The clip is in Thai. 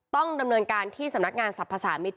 ต้องดำเนินการที่สำนักงานสรรพสามิตร